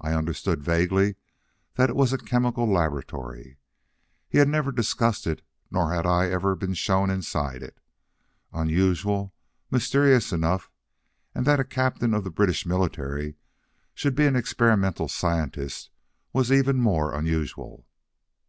I understood vaguely that it was a chemical laboratory. He had never discussed it, nor had I ever been shown inside it. Unusual, mysterious enough, and that a captain of the British military should be an experimental scientist was even more unusual.